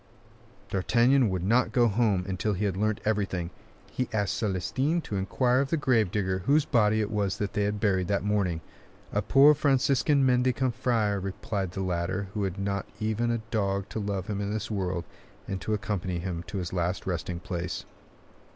D'Artagnan would not go home until he had learnt everything. He asked Celestin to inquire of the grave digger whose body it was they had buried that morning. "A poor Franciscan mendicant friar," replied the latter, "who had not even a dog to love him in this world, and to accompany him to his last resting place."